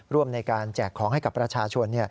ร่วมในการแจกของให้กับประชาชน